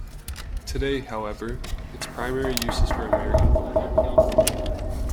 Today, however, its primary use is for American football.